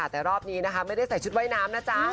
แต่รอบนี้นะคะไม่ได้ใส่ชุดว่ายน้ำนะจ๊ะ